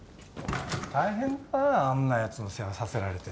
大変だなあんなやつの世話させられて。